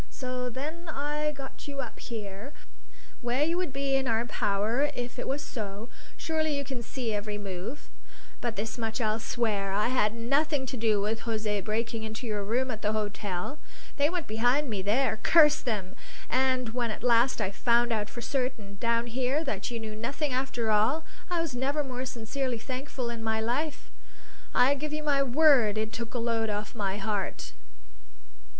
So then I got you up here, where you would be in our power if it was so; surely you can see every move? But this much I'll swear I had nothing to do with José breaking into your room at the hotel; they went behind me there, curse them! And when at last I found out for certain, down here, that you knew nothing after all, I was never more sincerely thankful in my life. I give you my word it took a load off my heart."